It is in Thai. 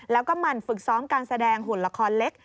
แล้วก็หมั่นฝึกซ้อมการแสดงหุ่นละครเล็ก